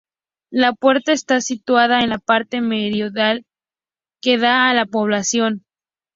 La puerta está situada en la parte meridional que da a la población.